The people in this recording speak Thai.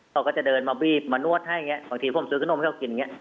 บางทีพวกมันซื้อข้าวนมเข้ากินอย่างนี้